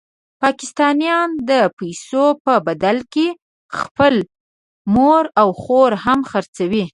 پاکستانیان د پیسو په بدل کې خپله مور او خور هم خرڅوي.